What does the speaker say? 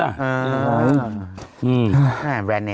อ่ะฮะ